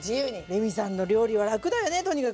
レミさんの料理は楽だよねとにかく。